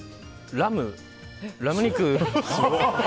ラム肉。